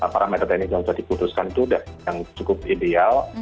para metode teknis yang sudah diputuskan itu sudah yang cukup ideal